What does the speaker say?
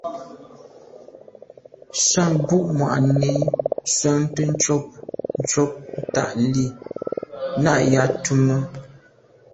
Sə̂n bu’ŋwà’nì swatə̂ncob ncob ntad lî nâ’ yα̌ tumə.